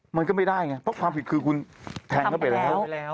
มันก็ไม่ได้ไงเพราะความผิดคือคุณแทงเข้าไปแล้ว